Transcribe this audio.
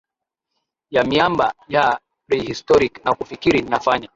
ya miamba ya prehistoric na kufikiri ninafanya